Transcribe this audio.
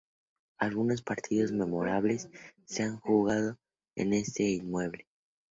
Algunos partidos memorables se han jugado en este inmueble.